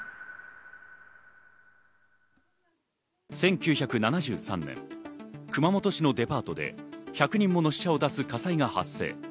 １９７３年、熊本市のデパートで１００人もの死者を出す火災が発生。